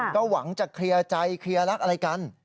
ก็หวังจะเคลียร์ใจเคลียร์รักอะไรกัน